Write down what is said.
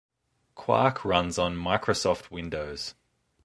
QuArK runs on Microsoft Windows.